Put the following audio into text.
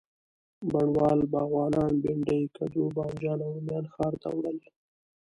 بڼوال، باغوانان، بینډۍ، کدو، بانجان او رومیان ښار ته وړل.